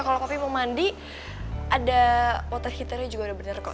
kalau papi mau mandi ada water heaternya juga udah bener kok